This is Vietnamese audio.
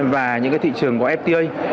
và những cái thị trường có fta